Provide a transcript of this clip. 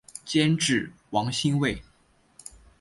监制王心慰。